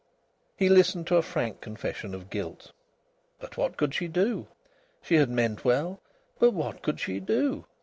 He listened to a frank confession of guilt. But what could she do? She had meant well. But what could she do?